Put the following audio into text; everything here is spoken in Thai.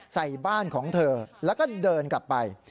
ใส่บ้านของเธอแล้วก็เดินกลับไป